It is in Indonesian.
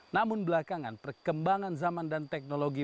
namun belakangan perkembangan zaman dan teknologi